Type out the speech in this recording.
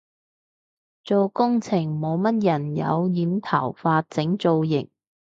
做工程冇乜人有染頭髮整造型